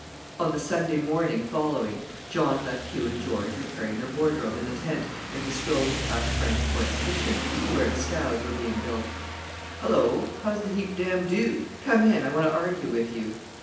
On the Sunday morning following John left Hugh and George repairing their wardrobe in the tent, and was strolling past Frank Corte's kitchen to where the scows were being built. "Hullo! how's the 'heap dam dood'? Come in, I want to argue with you."